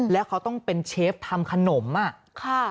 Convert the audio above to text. แล้วเขาต้องเป็นเชฟทำขนมอ่ะค่ะ